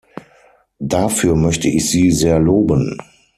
Dafür möchte ich Sie sehr loben.